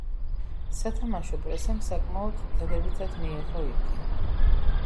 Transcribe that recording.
სათამაშო პრესამ საკმაოდ დადებითად მიიღო იგი.